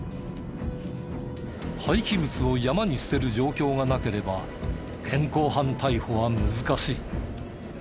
廃棄物を山に捨てる状況がなければ現行犯逮捕は難しい。